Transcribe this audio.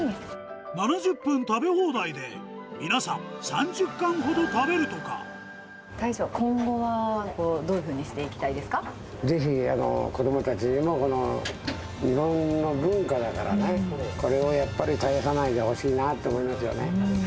７０分食べ放題で、皆さん、大将、今後はどういうふうにぜひ子どもたちにも、日本の文化だからね、これをやっぱり絶やさないでほしいなって思いますよね。